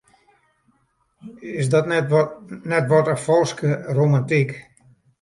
Is dat net wat in falske romantyk?